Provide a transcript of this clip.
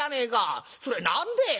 それ何でえ